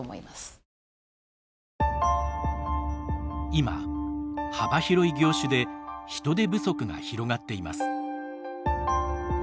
今、幅広い業種で人手不足が広がっています。